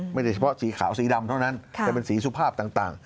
โดยเฉพาะสีขาวสีดำเท่านั้นแต่เป็นสีสุภาพต่าง